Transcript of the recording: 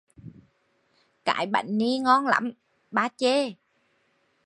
Cái bánh ni ngon lắm, ba chê